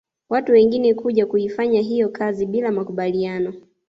Watu wengine kuja kuifanya hiyo kazi bila makubaliano